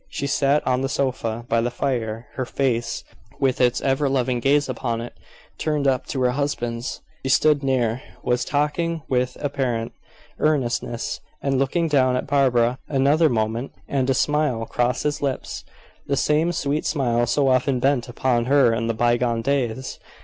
She sat on the sofa, by the fire, her face, with its ever loving gaze upon it, turned up to her husband's. He stood near, was talking with apparent earnestness, and looking down at Barbara. Another moment, and a smile crossed his lips, the same sweet smile so often bent upon her in the bygone days.